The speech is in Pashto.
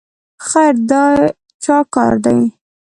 خیر د چا کار دی؟